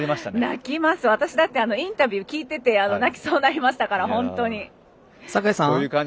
泣きます、私だってインタビュー聞いてて泣きそうになりました、本当に。